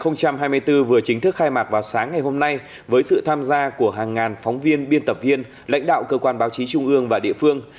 năm hai nghìn hai mươi bốn vừa chính thức khai mạc vào sáng ngày hôm nay với sự tham gia của hàng ngàn phóng viên biên tập viên lãnh đạo cơ quan báo chí trung ương và địa phương